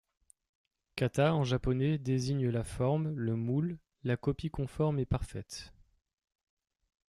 Kata, en japonais, désigne la forme, le moule, la copie conforme et parfaite.